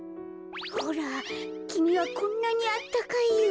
ほらきみはこんなにあったかいよ。